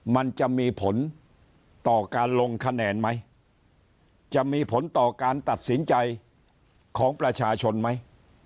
มันจะมีผลต่อการลงคะแนนไหมจะมีผลต่อการตัดสินใจของประชาชนไหม